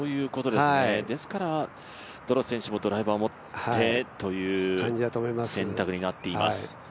ですから、どの選手もドライバーを持ってという選択になっています。